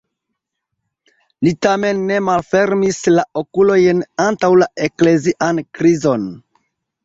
Li tamen ne malfermis la okulojn antaŭ la eklezian krizon.